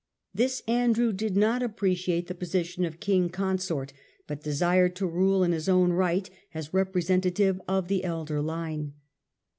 This Andrew did not appreciate the position of King Consort, but desired to rule in his own right as representative of the elder line.